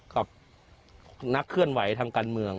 กับนักเคลื่อนไหวทางการเมือง